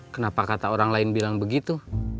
kenapa kata orang lain bilang begitu